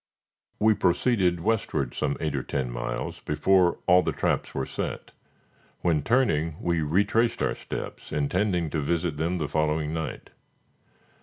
We proceeded westward some eight or ten miles before all of the traps were set, when, turning, we retraced our steps, intending to visit them the following night.